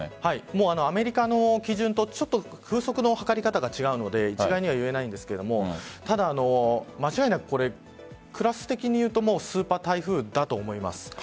アメリカの基準とちょっと風速の計り方が違うので一概には言えないんですがただ、間違いなくクラス的に言うとスーパー台風だと思います。